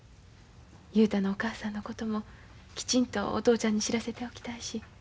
雄太のお母さんのこともきちんとお父ちゃんに知らせておきたいし。